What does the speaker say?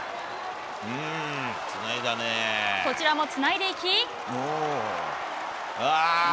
こちらもつないでいき。